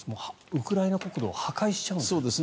ウクライナ国土を破壊しちゃうんですね。